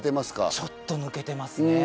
ちょっと抜けてますね。